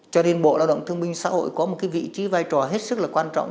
cho nên bộ lao động thương minh xã hội có một cái vị trí vai trò hết sức là quan trọng